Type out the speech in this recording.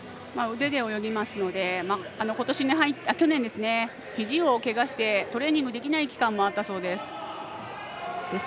腕で泳ぎますので去年、ひじをけがしてトレーニングできない期間もあったそうです。